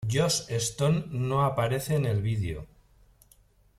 Joss Stone no aparece en el vídeo.